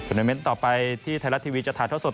อันดับต่อไปที่ไทยรัฐทีวีจะถ่ายทอดสด